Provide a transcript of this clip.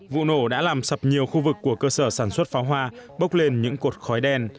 vụ nổ đã làm sập nhiều khu vực của cơ sở sản xuất pháo hoa bốc lên những cột khói đen